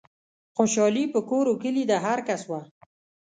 خوشحالي په کور و کلي د هرکس وه